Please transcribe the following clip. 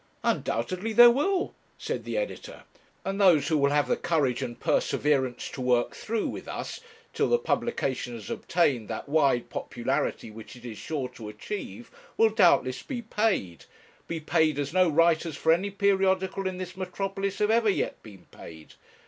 'Undoubtedly there will,' said the editor; 'and those who will have the courage and perseverance to work through with us, till the publication has obtained that wide popularity which it is sure to achieve, will doubtless be paid, be paid as no writers for any periodical in this metropolis have ever yet been paid.